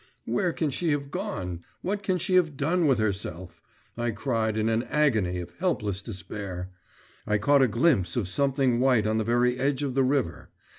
'Where can she have gone? What can she have done with herself?' I cried in an agony of helpless despair.… I caught a glimpse of something white on the very edge of the river.